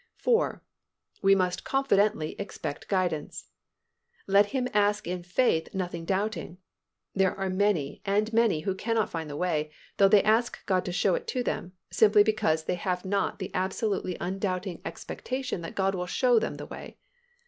4. We must confidently expect guidance. "Let him ask in faith nothing doubting," There are many and many who cannot find the way, though they ask God to show it to them, simply because they have not the absolutely undoubting expectation that God will show them the way.